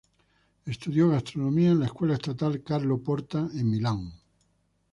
Estudió gastronomía en la escuela estatal Carlo Porta, en Milán.